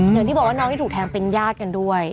อย่างที่บอกว่าน้องที่ถูกแทงเป็นญาติกันด้วย